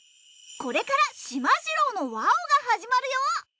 これから『しまじろうのわお！』が始まるよ。